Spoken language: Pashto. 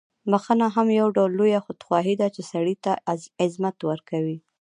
بخښنه هم یو ډول لویه خودخواهي ده، چې سړی ته عظمت ورکوي.